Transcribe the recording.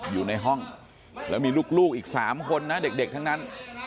อยู่ในห้องแล้วมีลูกอีก๓คนนะเด็กทั้งนั้น